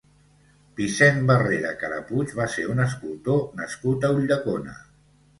Vicent Barrera Carapuig va ser un escultor nascut a Ulldecona.